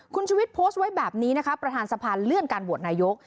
คุณชุวิตโพสต์ไว้แบบนี้นะคะประธานสะพานเลื่อนการโหวตนายก